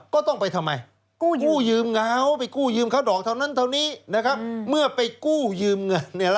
เขาไม่มีเงินจ้างธนายไม่มีค่าธนิยมศาล